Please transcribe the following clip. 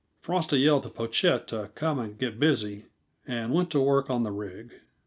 Frosty yelled to Pochette to come and get busy, and went to work on the rig.